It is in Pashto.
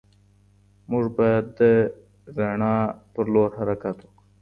موږ بايد د رڼا په لور حرکت وکړو.